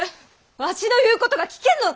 わしの言うことが聞けぬのか！